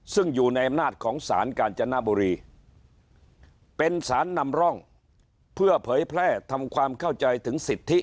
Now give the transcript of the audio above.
ซึ่งอยู่ในอำนาจของสารกาญจนบุรีเป็นสารนำร่องเพื่อเผยแพร่ทำความเข้าใจถึงสิทธิ